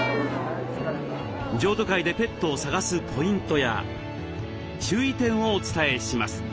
譲渡会でペットを探すポイントや注意点をお伝えします。